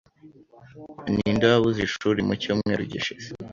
Ninde wabuze ishuri mu cyumweru gishize?